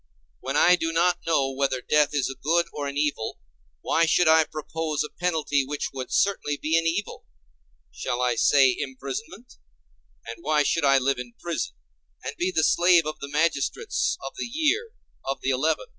When I do not know whether death is a good or an evil, why should I propose a penalty which would certainly be an evil? Shall I say imprisonment? And why should I live in prison, and be the slave of the magistrates of the year—of the Eleven?